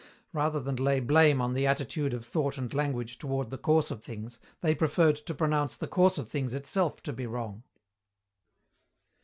Rather than lay blame on the attitude of thought and language toward the course of things, they preferred to pronounce the course of things itself to be wrong.